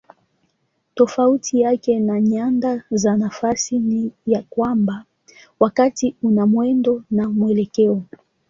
Tofauti yake na nyanda za nafasi ni ya kwamba wakati una mwendo na mwelekeo.